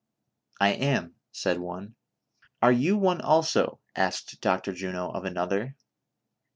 " "I am," said one. "Are you one also V " asked Dr. Juno of another.